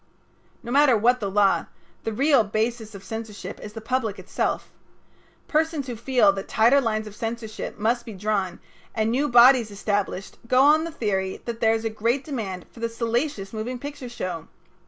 No matter what the law, the real basis of censorship is the public itself. Persons who feel that tighter lines of censorship must be drawn and new bodies established go on the theory that there is a great demand for the salacious moving picture show.